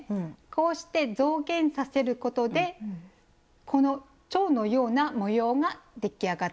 こうして増減させることでこのチョウのような模様が出来上がってきます。